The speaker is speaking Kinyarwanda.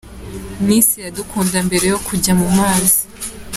Miss Iradukunda mbere yo kujya mu mazi.